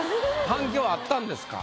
反響あったんですか？